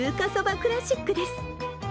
クラシックです。